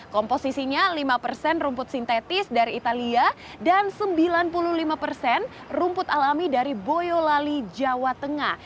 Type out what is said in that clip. komposisinya lima persen rumput sintetis dari italia dan sembilan puluh lima persen rumput alami dari boyolali jawa tengah